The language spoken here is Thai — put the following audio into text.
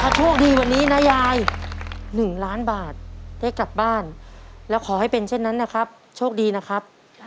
โชคดีวันนี้นะยาย๑ล้านบาทได้กลับบ้านแล้วขอให้เป็นเช่นนั้นนะครับโชคดีนะครับ